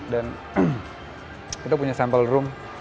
dan kita punya sample room